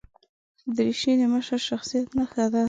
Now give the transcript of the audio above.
دریشي د مشر شخصیت نښه ده.